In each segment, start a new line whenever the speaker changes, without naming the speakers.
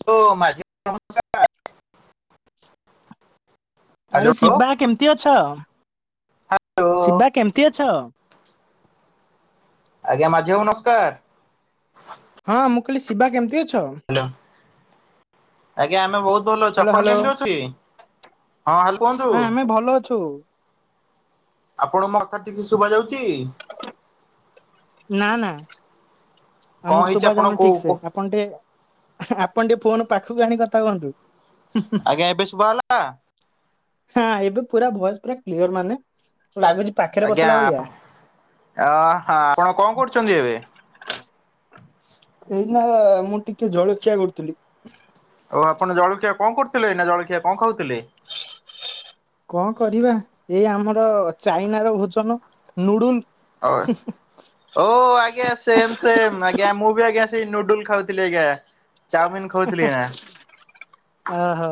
[unintelligible] Hello
ଆରେ Shiba
hello
କେମତି? କେମିତି ଅଛ? ଶିବା କେମିତି ଅଛ?
ଆଜ୍ଞା ମାଝି ବାବୁ ନସ୍କାର।
ହଁ ମୁଁ କହିଲି ଶିବା କେମିତି ଅଛ।
ହ୍ୟାଲୋ। ଆଜ୍ଞା ଆମେ ବହୁତ ଭଲ ଅଛୁ
ହ୍ୟାଲୋ
ଆପଣ
ହ୍ୟାଲୋ
କେମିତି ଅଛି ହଁ ହାଲ କୁହନ୍ତୁ।
ହଁ ଆମେ ଭଲ ଅଛୁ।
ଆପଣ ମୋ କଥା ଠିକସେ ଶୁଭା ଯାଉଚି।
ନା ନା।
କଣ
ଆମକୁ
ହେଇଛି
ସୁବା
ଆପଣ
ଯାଉନି
କୋଉ
ଠିକ ସେ
କୋ
ଆପଣ ଟିକେ ଆପଣ ଟିକେ ଫୋନ ପାଖକୁ ଆଣିି କଥା ହୁଅନ୍ତୁ।
ଆଜ୍ଞା ଏବେ ଶୁବା ହେଲା।
ହଁ ଏବେ ପୁରା ଭଏସ ପୁରା କ୍ଲିୟର ମାନେ ଲାଗୁଚି
ଆଜ୍ଞା ଆପ୍ ଅ ହଁ ଆପଣ କଣ କରୁଛନ୍ତି ଏବେ?
ଏଇନା ମୁଁ ଟିକେ ଜଳଖିଆ କରୁଥିଲି।
ଆଉ ଆପଣ ଜଳଖିଆ କଣ କରୁଥିଲେ ନା ଜଳଖିଆ କଣ ଖାଉଥିଲେ।
କଣ କରିବା ଏଇ ଆମର ଚାଇନ ର ଭୋଜନ ନୁଡୁଲ।
ଆଉଏ ଓଃ ଆଜ୍ଞା ସେମ୍ ସେମ୍ ଆଜ୍ଞା ମୁଁ ବି ଆଜ୍ଞା ସେଇ ନୁଡୁଲ ଖାଉଥିଲି ଆଜ୍ଞା। ଚାଉମିିନ ଖାଉଥିଲି ଏଇନା
ଓ ହୋ।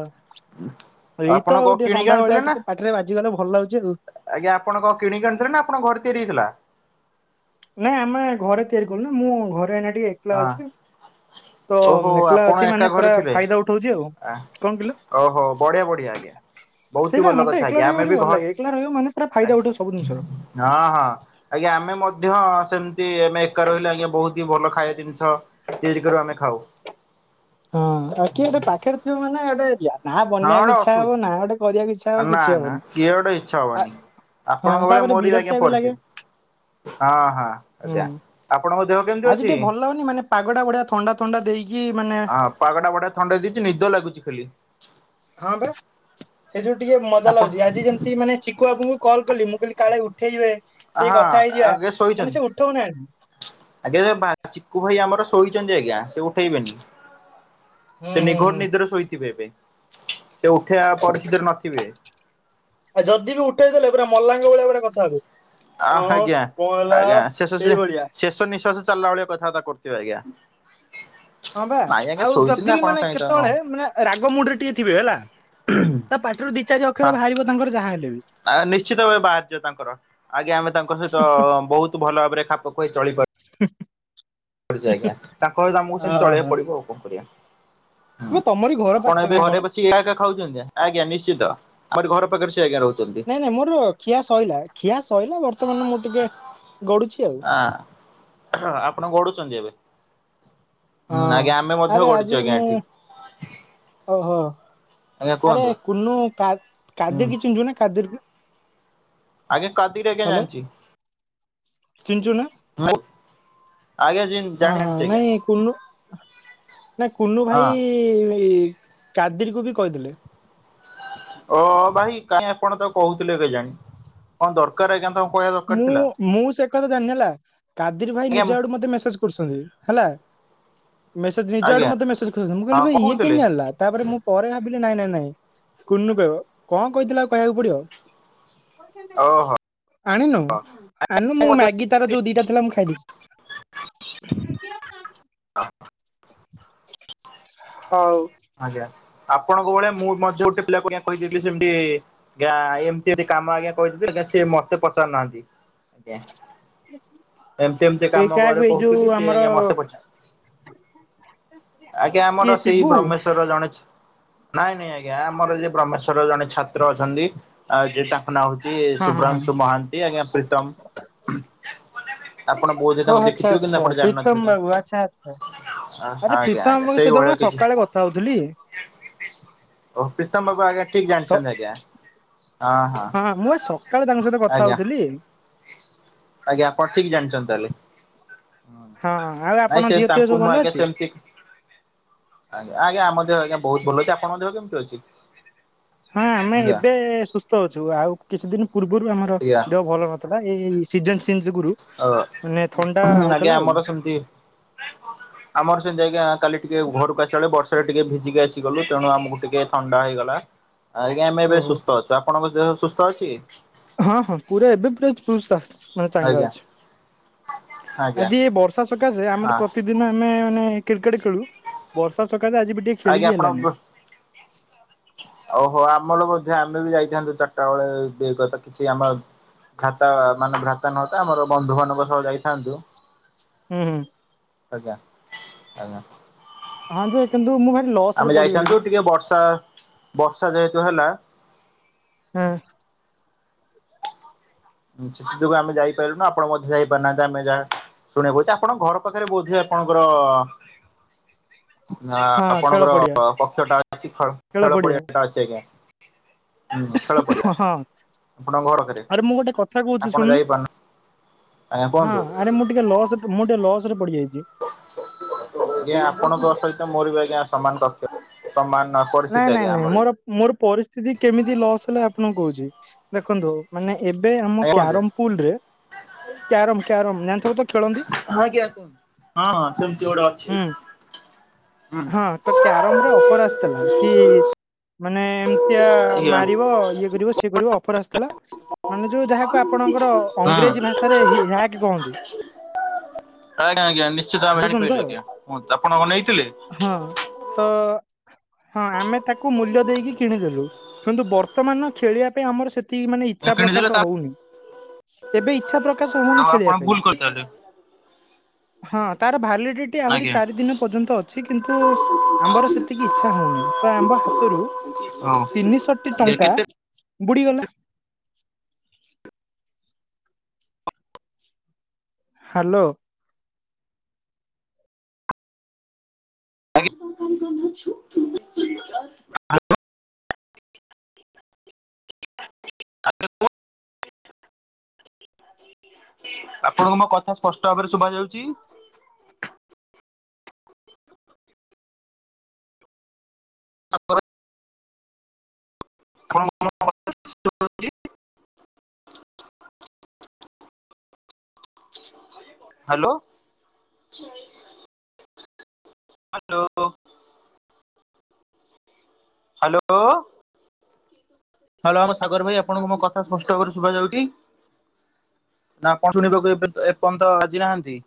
ଆପଣ
ଏଇତ
କଣ
ଆଉ ଟିକେ
କିଣିକି ଆଣିଥିଲେ
ସନ୍ଧ୍ୟାବେଳିଆ
ନା
ଟିକେ ପାଟିରେ ବାଜିଗଲେ ଭଲ ଲାଗୁଛି ଆଉ।
ଆଜ୍ଞା ଆପଣ କଣ କିଣିକି ଆଣି ଥିଲେ ନା ଆପଣଙ୍କ ଘରେ ତିଆରି ହେଇଥିଲା।
ନାଇଁ ଆମେ ଘରେ ତିଆରି କଲୁ ନା ମୁଁ ଘରେ ଏନା ଟିକେ ଏକଲା
ହଁ
ଅଛି। ତ
ଓହୋ
ମେକଲା
ଆପଣ
ଅଛି
ଏକା
ମାନେ
ଘରେ
ପୁରା
ଥିଲେ
ଫାଇଦା ଉଠଉଚି ଆଉ
ଆ
କଣ କିଲ।
ଓହୋ ବଢିଆ ବଢିଆ ଆଜ୍ଞା। ବହୁତ
ସେଇ
ହି
ବା
ଭଲ
ମତେ
କଥା
ଏକଲା
ଆଜ୍ଞା
ରହିବାକୁ
ଆମେ
ଟିକେ
ବି ଘ
ଭଲ
ହଁ
ଲାଗେ ଏକଲା ରହିବ ମାନେ ପୁର ଫାଇଦା ଉଠିବ ସବୁ ଜିନଷର।
ହଁ ହଁ ଆଜ୍ଞା ଆମେ ମଧ୍ୟ ସେମିତି ଆମେ ଏକା ରହିଲେ ଆଜ୍ଞା ବହୁତ ହି ଭଲ ଖାଇବା ଜିନିଷ ତିଆରି କରି ଆମେ ଖାଉ।
ହଁ ଆଉ କିଏ ଗୋଟେ ପାଖରେ ଥିବ ମାନେ ଏଟେ ଯା ନା
ହଁ
ବନେଇବାକୁ
ଗୋଟେ
ଇଚ୍ଛା
ଅସୁବିଧା
ହବ ନା ଗୋଟେ କରିବାକୁ ଇଚ୍ଛା ହବ
ନା
କିଛି
ନା
ହବନି
କିଏ ଗୋଟେ ଇଚ୍ଛା
ଆ
ହବନି।
ହଁ
ଆପଣଙ୍କ ଭଳିଆ
ତାପରେ
ମୋର ଆଜ୍ଞା
ବିରକ୍ତିଆ ବି ଲାଗେ।
ପରିସ୍ଥିତି ହଁ ହଁ
ହୁଁ
ଆଜ୍ଞା ଆପଣଙ୍କ ଦେହ କେମିତି
ଆଜି
ଅଛି
ଟିକେ
ହଁ
ଭଲ ଲାଗୁନି ମାନେ ପାଗଟା ବଢିଆ ଥଣ୍ଡା ଥଣ୍ଡା ଦେଇକି ମାନେ
ପାଗଟା ବଢିଆ ଥଣ୍ଡା ଦେଇଚି ନିଦ ଲାଗୁଚି ଖାଲି।
ହଁ ବା ସେ ଯୋଗୁ ଟିକେ ମଜା
ଆପଣ
ଲାଗୁଛି ଆଜି ଯେମିତି ମାନେ ଚିକୁ ବାବୁଙ୍କୁ ମୁଁ କଲ୍ କଲି ମୁଁ କହିଲି କାଳେ ଉଠେଇବେ ଟିକେ
ହଁ
କଥା ହେଇଯିବା
ଆଜ୍ଞା
ମାନେ
ଶୋଇଛନ୍ତି
ସେ ଉଠଉନାହାନ୍ତି।
ଆଜ୍ଞା ଭା ଚିକୁ ଭାଇ ଆମର ଶୋଇଚନ୍ତି ଆଜ୍ଞା ସେ ଉଠେଇବେନି।
ହୁଁ
ସେ
ହୁଁ ହୁଁ।
ନିଘୋଡ଼ ନିଦର ଶୋଇଥିବେ ଏବେ ସେ ଉଠେଇବା ପରିସ୍ଥିତିରେ ନଥିବେ।
ଆ ଯଦି ବି ଉଠେଇଦଲେ ପୁରା ମଲାଙ୍ଗ ଭଳିଆ ପୁରା କଥା ହେବେ।
ଆ
ହଁ
ଆଜ୍ଞା
କଣ ହେଲା
ଆଜ୍ଞା ଶେଷ
ଏଇଭଳିଆ।
ସେ ଶେଷ ନିଶ୍ୱାସ ଚାଲିଲା ଭଳିଆ କଥାବାର୍ତ୍ତା କରୁଥିବେ ଆଜ୍ଞା।
ହଁ ବା
ନାଇଁ ଆଜ୍ଞା
ଆଉ
ଶୋଇଛନ୍ତି
ଯଦି ବି
ଆପଣ
ମାନେ
କାହିଁ ତାଙ୍କ ହଁ
କେତେବେଳେ ମାନେ ରାଗ ମୁଣ୍ଡରେ ଟିକେ ଥିବେ ହେଲା ତା ପାଟିରୁ ଦି ଚାରି ଅକ୍ଷର ବାହାରିବ ତାଙ୍କର ଯାହା ହେଲେ ବି
ଆ ନିଶ୍ଚିତ ଭାବେ ବାହାରଥିବ ତାଙ୍କର ଆଜ୍ଞା ଆମେ ତାଙ୍କ ସହିତ ବହୁତ ଭଲ ଭାବରେ ଖାପ ଖୁଆଇ ଚଳିପାରୁ
[inaudible]
ଚି ଆଜ୍ଞା ତାଙ୍କ ସହିତ ଆମକୁ ସେମିତି
ଓହୋ।
ଚଳିବାକୁ ପଡିବ ଆଉ କଣ କରିବା। ହୁଁ
ବେ ତମରି ଘର
ଆପଣ
ପାଖରେ
ଏବେ
ନା କଣ?
ଘରେ ବସି ଏୟା କା ଉଛନ୍ତି ନା ଆଜ୍ଞା ନିଶ୍ଚିତ ଆମର ଘର ପାଖରେ ସେ ଆଜ୍ଞା ରହୁଚି।
ନାଇଁ ନାଇଁ ମୋର ଖିଆ ସଇଲା ଖିଆ ସଇଲା ବର୍ତ୍ତମାନ ମୁଁ ଟିକେ ଗଡୁଛି ଆଉ।
ଆପଣ ଗଡୁଛନ୍ତି ଏବେ ହୁଁ
ହଁ
ଆଜ୍ଞା ଆମେ
ଆରେ
ମଧ୍ୟ
ଆଜି
ଗଡ଼ିଚି ଆଜ୍ଞା
ମୁଁ
ଏଠି।
ଓହୋ
ଆଜ୍ଞା
ଆରେ
କୁହନ୍ତୁ
କୁନୁ କାହା
ହୁଁ
କାଦି କି ଚିନିଚୁନା କାଦିର୍ କୁ।
ଆଜ୍ଞା କାଦିର୍ ଆଜ୍ଞା
ହ୍ୟାଲୋ
ଜାଣିଚି।
ଚିହ୍ନିଛୁ ନା
ଆଉ ଆଜ୍ଞା ଯ
ହଁ ହଁ
ଜାଣିଚି ଆଜ୍ଞା
ନାଇଁ କୁନୁ ନା କୁନୁ ଭାଇ
ହଁ
କାଦର କୁ ବି କହିଥିଲେ।
ଓ ଭାଇ କାଇଁ ଆପଣ ତା କହୁଥିଲେ କେଜାଣି। କଣ ଦରକାର ଆଜ୍ଞା ତାକୁ
ମୁଁ ମୁଁ ସେ କଥା ଜାଣିନି ହେଲା। କାଦିର ଭାଇ
ଆଜ୍ଞା
ନିଜ ଆଡୁ ମେ ମେସେଜ କରୁଛନ୍ତି। ହେଲା ମେସେଜ ନିଜ ଆଡୁ
ଆଜ୍ଞା
ମତେ ମେସେଜ କରୁଛନ୍ତି। ମୁଁ
ହଁ
କହିଲି ଭ ଇଏ
କହୁଥିଲେ
କେମତି ଯାଣିଲା? ତାପରେ ମୁଁ ପରେ ଭାବିଲି ନାଇଁ ନାଇଁ ନାଇଁ କୁନୁ କହିବ କଣ କହିଥିଲାଉ କହିବାକୁ ପଡିବ? ପଇସା ନେଇ ଯା
ଓହୋ
ଆଣିନୁ ଆଣିନୁ ମୁଁ ମ୍ୟାଗି ତାର ଯୋଉ ଦିଟା ଥିଲା ମୁଁ ଖାଇଦେଛି।
[inaudible]
ହଉ
ଆଜ୍ଞା ଆପଣଙ୍କ ଭଳିଆ ମୁଁ ମଧ୍ୟ ଗୋଟେ ପିଲା ଆଜ୍ଞା କହିଦଥିଲି ସେମିତି ଏମିତି କାମ ଆଜ୍ଞା କରିଦ ସେ ମତେ ପଚାରୁନାହାନ୍ତି ଆଜ୍ଞା ଏମତି ଏମିତି
ଏ
କାମ
କାହାକୁ
ଘରେ
ଏଇ ଯୋଉ
କହୁଥିଲି ସେ
ଆମର
ଆଜ୍ଞା ମତେ ପ ଆଜ୍ଞା
କିଏ
ଆମର ସେଇ
ଶିବୁ
ବ୍ରହ୍ମେଶ୍ଵ ନାଇଁ ନାଇଁ ଆଜ୍ଞା ଆମର ଯ ବ୍ରମେଶ୍ଵରର ଜଣେ ଛାତ୍ର ଅଛନ୍ତି ଆ ଯଟା ନା ହଉଛି
ହଁ ହଁ ହଁ।
ଶୁଭ୍ରାଂଶୁ ମହାନ୍ତି ଆଜ୍ଞା ପ୍ରୀତମ ଆପଣ ବହୁତ
ଓ
ତାଙ୍କୁ
ଆଚ୍ଛା
ଦେଖିଥିବେ କିନ୍ତୁ
ଆଚ୍ଛା
ଆପଣ
ପ୍ରୀତମ
ଜାଣିନଥିବେ ତା
ବାବୁ ଆଚ୍ଛା ଆଚ୍ଛା
ହ
ଆରେ
ଆଜ୍ଞା
ପ୍ରୀତମ
ଆଜ୍ଞା
ବାବୁଙ୍କ
ସେଇ
ସହିତ ମୁଁ
ଭଳିଆ କିଛି
ସକାଳେ
ଓ
କଥା ହଉଥିଲି।
ପ୍ରୀତମ ବାବୁ ଆଜ୍ଞା ଠିକ
ସ
ଜାଣିଛନ୍ତି ଆଜ୍ଞା
ହଁ ମୁଁ ଏ ସକାଳେ ତାଙ୍କ ସହିତ କଥା
ଆଜ୍ଞା
ହଉଥିଲି।
ଆଜ୍ଞା ଆପଣ ଠିକ ଜାଣିଛନ୍ତି ତାହେଲେ ହୁଁ
ହଁ ଆଉ
ନାଇଁ
ଆପଣଙ୍କ
ସେ
ଦିହ ଫିଅ ସବୁ
ତାଙ୍କୁ ମୁଁ
ଭଲ
ଆଜ୍ଞା
ଅଛି?
ସେମିତି ଆଜ୍ଞା ଆଜ୍ଞା ଆଜ୍ଞା ବହୁତ ଭଲ ଅଛି ଆପଣ ମଧ୍ୟ କେମିତି ଅଛି।
ହଁ ଆମେ
ଆଜ୍ଞା
ଏବେ ସୁସ୍ଥ ଅଛୁ ଆଉ କିଛି ଦିନ ପୂର୍ବରୁ ଆମର
ଆଜ୍ଞା
ଦେହ ଭଲ ନଥିଲା ଏଇ ସିଜନ ଚେଞ୍ଜ ଯୋଗୁରୁ
ଅ
ମାନେ ଥଣ୍ଡା
ଆଜ୍ଞା
ହଉଥିଲା ଆଉ
ଆମର ସେମିତି ଆମର ସେମିତି ଆଜ୍ଞା କାଲି ଟିକେ ଘରକୁ ଆସିଲ ବେଳେ ବର୍ଷାରେ ଟିକେ ଭିଜିକି ଆସିଗଲୁ ତେଣୁ ଆମକୁ ଟିକେ ଥଣ୍ଡା ହେଇଗଲା ଆ ଆଜ୍ଞା ଆମେ ଏବେ
ଓହୋ
ସୁସ୍ଥ ଅଛୁ ଆପଣଙ୍କ ଦେହ ସୁସ୍ଥ ଅଛି?
ହଁ ହଁ ପୁରା ଏବେ ପୁରା ମାନେ ଚାଙ୍ଗା
ଆଜ୍ଞା
ଅଛି
ଆଜ୍ଞା
ଆଜି ଏ ବର୍ଷ ଷା ସକାଶେ ଆମର
ହଁ
ପ୍ରତିଦିନ ଆମେ ମାନେ କ୍ରିକେଟ ଖେଳୁ ବର୍ଷା ସକାଶେ ଆଜି ବି ଟିକେ ଖେଳି
ଆଜ୍ଞା
ବିି
ଆପଣ
ହେଲାନି।
ବୁ
[inaudible]
ଓହୋ ଆମର ମଧ୍ୟ ଆମେ ବି ଯାଇଥାନ୍ତୁ ଚାରିଟା ବେଳେ ଦେଇ କଥା କିଛି ଆମ ଭ୍ରାତା ମାନେ ଭ୍ରାତା ନୁହଁତ ଆମର ବନ୍ଧୁ ମାନଙ୍କ ସହ ଯାଇଥାନ୍ତୁ।
ହୁଁ
ଆଜ୍ଞା ଆଜ୍ଞା
ହଁ ଯେ କିନ୍ତୁ ମୁଁ ଭାରି ଲସ୍ ରେ
ଆମେ
ପଡିଗଲି ରେ
ଯାଇଥାନ୍ତୁ ଟିକେ ବର୍ଷା ବର୍ଷା ଯେହେତୁ ହେଲା
ହୁଁ
ସେଥି ଯୋଉ ଆମେ ଯାଇପାରିଲୁ ନା ଆପଣ ମଧ୍ୟ ଯାଇପାରୁନାହାନ୍ତି ଆମେ ଯାହା ଶୁଣିବା କୁହୁଛି ଆପଣଙ୍କ ଘର ପାଖରେ ବୋଧ ଆପଣଙ୍କର
[unintelligible]
ନା
ହଁ ଖେଳ
ଆପଣଙ୍କର
ପଡିଆ
ପକ୍ଷ ଟା ଅଛି ଖେଳ ପଡିଆ ଟା ଅଛି ଆଜ୍ଞା ହୁଁ ଖେଳ ପଡିଆ
ହଁ
ଆପଣଙ୍କ ଘର ପାଖରେ
ଆରେ ମୁଁ ଗୋଟେ କ ଥା କହୁଛିୁ
ଆପଣ
ଶୁଣୁନୁ
ଯାଇପାରୁନ ଆଜ୍ଞା
ହଁ
କୁହନ୍ତୁ।
ଆରେ ମୁଁ ଟିକେ ଲସ୍ ମୁଁ ଟିକେ ଲସ ରେ ପଡିଯାଇଛି
ଆଞ ଆପଣଙ୍କ ସହିତ ମୋର ବି ଆଜ୍ଞା ସମାନ ତଥ୍ୟ ସମାନ
ନାଇଁ
ପରିସ୍ଥିତି
ନାଇଁ
ଆଜ୍ଞା
ନାଇଁ
ଆମର ବି
ମୋର ମୋର ପରିସ୍ଥିତି କେମିତି ଲସ୍ ହେଲେ ଆପଣଙ୍କୁ କହୁଛି ଦେଖନ୍ତୁ ମାନେ ଏବେ ଆମ
ଆଜ୍ଞା କୁହନ୍ତୁ।
କ୍ୟାରମପୁଲ ରେ କ୍ୟାରମ କ୍ୟାରମ ଜାଣିଥିବେ ତ ଖେଳନ୍ତ।
ହଁ ଆଜ୍ଞା କୁହନ୍ତୁ ହଁ ହଁ ସେମିତି ଗୋଟେ ଅଛି
ହୁଁ
ଆଜ୍ଞା ହୁଁ।
ହଁ ତ କ୍ୟାରମ ରେ ଅଫର ଆସିଥିଲା କି ମାନେ
ଆଜ୍ଞା ହଁ
ମାରିବ ଇଏ କରିବ ସିଏ କରିବ ଅଫର ଆସିଥିଲା ମାନେ ଯୋଉ ଯାହାକୁ ଆପଣଙ୍କର ଇଂରେଜ ଭାଷାରେ ହ୍ୟାକ କହନ୍ତି।
ଆଜ୍ଞା ଆଜ୍ଞା ନିଶ୍ଚିତ ଆମେ
ବୁଝୁଛନ୍ତି ତ?
ଆଣିପାରଲୁ ଆଜ୍ଞାଁ ଆପଣଙ୍କ ନେଇଥିଲେ।
ହଁ ତ ହଁ ଆମେ ତାକୁ ମୂଲ୍ୟ ଦେଇକି କିଣିଦେଲୁ। କିନ୍ତୁ ବର୍ତ୍ତମାନ ଖେଳିବା ପାଇଁ ଆମର ସେ ମାନେ ଇଚ୍ଛା ପ୍ରକାଶ
କିଣିଦେଲେ ତା
ହଉନି ଏବେ ଇଛା ପ୍ରକାଶ ହଉନି।
ଆଉ ଆପଣ
ଖେଳିବା ପାଇଁ।
ଭୁଲ କରିଥିଲେ
ହଁ ତାର ଭାଲିଡିଟି ଆହୁରି
ଆଜ୍ଞା
ଚାରି ଦିନ ପର୍ଯ୍ୟନ୍ତ ଅ କିନ୍ତୁ ଆମ୍ବର ସେତିକି ଇଚ୍ଛା ହଉନି ତ ଆମ୍ବ ହାତରୁ
ହଉ
ତିନିଶଟି ଟଙ୍କା
କେତେ
ବୁଡିଗଲା। ହ୍ୟାଲୋ
[unintelligible] [unintelligible] ଆପଣଙ୍କୁ ମୋ କଥା ସ୍ପଷ୍ଟ ଭାବରେ ଶୁଭା ଯାଉଛି! ଆ ଆପଣକୁ ମୋ ହ୍ୟାଲୋ [unintelligible] ହ୍ୟାଲୋ ହଲୋ ହ୍ୟାଲୋ ଆମ ସାଗର ଭାଇ ଆପଣଙ୍କୁଙ୍କ ମୋ କଥା ସ୍ପଷ୍ଟାବରେ ଶୁଭାଯ ଯାଉଚି? ନା ପ ଶୁଣିବାକୁ ଏ ଏପର୍ଯ୍ୟନ୍ତ ଆଜି ନାହାନ୍ତି।